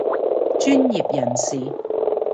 專業人士